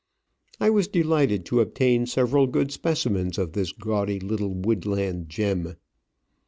I was delighted to obtain several good specimens of this gaudy little woodland gem.